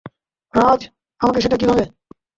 রাজ, - আমাকে, সেটা কিভাবে?